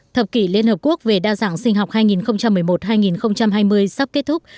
thập kỷ liên hợp quốc về đa dạng sinh học hai nghìn một mươi một hai nghìn hai mươi sắp kết thúc